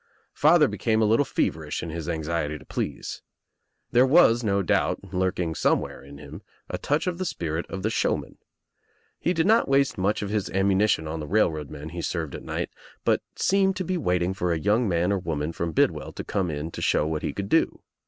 Father became a little feverish in his anxiety to please. There was no doubt, lurking somewhere in him, a touch of the spirit of the showman. He did not waste much of his ammunition on the railroad men he served at night but seemed to be waiting for a young man or woman from Bidwell to come In to show what he could do.